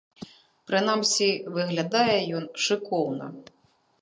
Прынамсі выглядае ён шыкоўна.